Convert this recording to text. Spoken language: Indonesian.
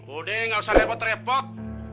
udah gak usah repot repot